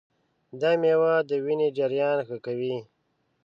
دا مېوه د وینې جریان ښه کوي.